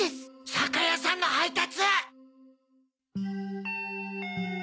酒屋さんの配達！